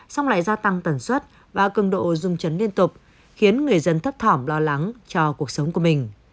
xong lại gia tăng tần suất và cường độ rung chấn liên tục khiến người dân thấp thỏm lo lắng cho cuộc sống của mình